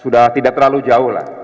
sudah tidak terlalu jauh lah